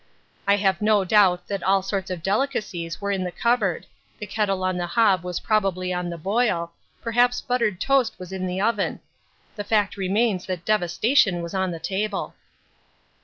I have no doubt that all sorts of delicacies were in the cupboard; the kettle on the hob was probably on the boil; perhaps buttered toast was in the oven. The fact remains that devastation was on the table.